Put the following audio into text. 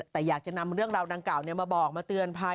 แต่อยากจะนำเรื่องราวดังกล่าวมาบอกมาเตือนภัย